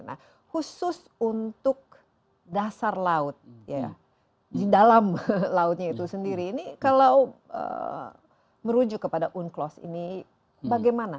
nah khusus untuk dasar laut di dalam lautnya itu sendiri ini kalau merujuk kepada unclos ini bagaimana